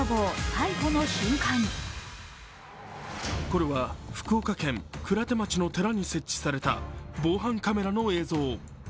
これは福岡県鞍手町の寺に設置された防犯カメラの映像。